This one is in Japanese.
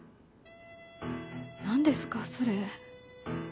なんですかそれ。